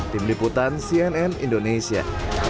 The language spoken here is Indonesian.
tim liputan cnn indonesia